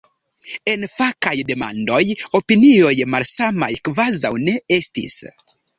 En fakaj demandoj opinioj malsamaj kvazaŭ ne estis.